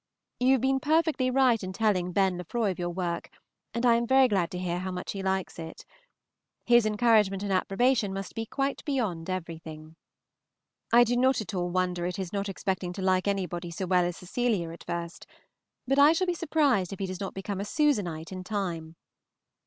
You have been perfectly right in telling Ben. Lefroy of your work, and I am very glad to hear how much he likes it. His encouragement and approbation must be "quite beyond everything." I do not at all wonder at his not expecting to like anybody so well as Cecilia at first, but I shall be surprised if he does not become a Susanite in time.